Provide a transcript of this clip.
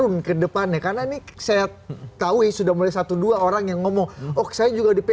oke bang mas hidon menutup komunikasi